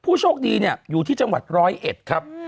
ผู้โชคดีเนี่ยอยู่ที่จังหวัดร้อยเอ็ดครับ